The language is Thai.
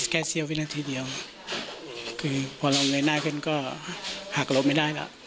แค่เสียวินาทีเดียวคือพอเราเหนื่อยหน้าขึ้นก็หากลบไม่ได้แล้ว